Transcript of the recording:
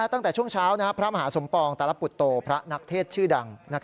ตั้งแต่ช่วงเช้าพระมหาสมปองตาลปุตโตพระนักเทศชื่อดัง